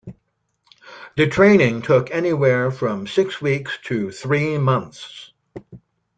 The training took anywhere from six weeks to three months.